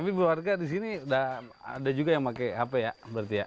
tapi keluarga di sini ada juga yang pakai hp ya berarti ya